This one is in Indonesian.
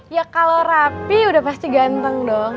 ya kalo rapih udah pasti ganteng dong